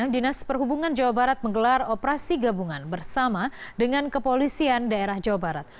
dinas perhubungan jawa barat menggelar operasi gabungan bersama dengan kepolisian daerah jawa barat